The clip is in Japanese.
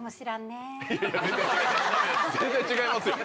全然違います。